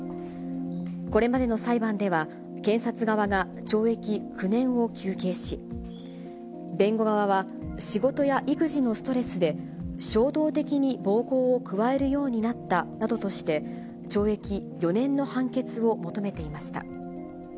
これまでの裁判では、検察側が懲役９年を求刑し、弁護側は、仕事や育児のストレスで衝動的に暴行を加えるようになったなどとして、懲役４年の判決を求めていました。